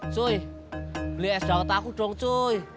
cuy beli es daun aku dong cuy